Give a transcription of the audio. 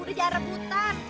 udah jangan rebutan